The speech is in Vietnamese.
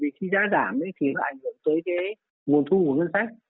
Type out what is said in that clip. cái thứ hai mà rất là bất lợi là vì khi giá giảm thì nó ảnh hưởng tới nguồn thu của ngân sách